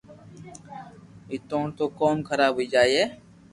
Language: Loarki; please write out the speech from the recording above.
نيتوڙ تو ڪوم خراب ھوئي جائي